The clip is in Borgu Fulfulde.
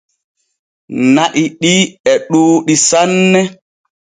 Na’i ɗi e ɗuuɗɗi sanne.